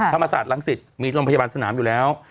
ธรรมศาสตร์รังสิตมีโรงพยาบาลสนามอยู่แล้ว